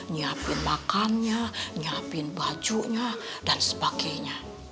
nyiapin makannya nyiapin bajunya dan sebagainya